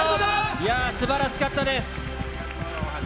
いやー、すばらしかったです。